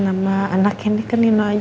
nama anak ini ke nino aja deh mah